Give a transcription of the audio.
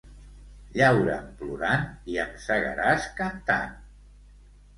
Llaura'm plorant i em segaràs cantant.